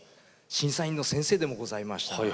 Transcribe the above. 審査員の先生でもございました。